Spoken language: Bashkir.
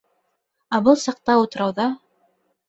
Ә был саҡта утрауҙа...